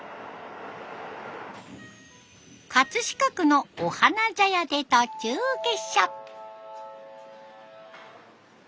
飾区のお花茶屋で途中下車。